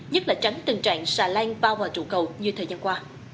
nhất là tránh tình trạng xà lan bao vào trụ cầu như thời gian qua